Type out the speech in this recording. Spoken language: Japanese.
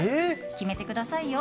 決めてくださいよ。